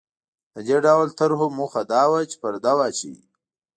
د دې ډول طرحو موخه دا وه چې پرده واچوي.